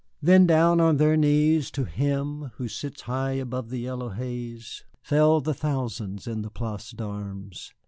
Then down on their knees to Him who sits high above the yellow haze fell the thousands in the Place d'Armes.